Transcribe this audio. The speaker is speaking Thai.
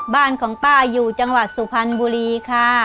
บ้านของป้าอยู่จังหวัดสุพรรณบุรีค่ะ